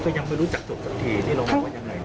ก็ยังไม่รู้จักจบสักทีนี่เรารู้ว่ายังไง